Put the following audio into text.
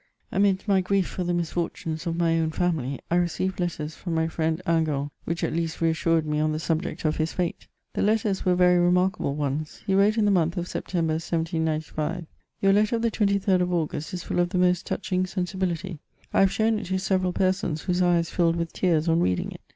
Amidst my grief for the misfortunes of my own femily, I re ceived letters from my friend Hingant, which at least re assured me on the subject of nis fate ; the letters were very remarkable ones; he wrote in the month of September, 1795 :" Your letter of the 23rd of August is full of the most touching sensi bility. 1 have shown it to several persons, whose eyes filled with tears on reading it.